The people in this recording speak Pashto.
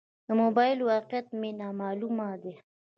د موبایل موقعیت مې نا معلومه ده.